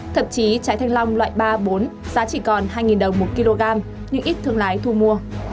thậm chí trái thanh long loại ba bốn giá chỉ còn hai đồng một kg nhưng ít thương lái thu mua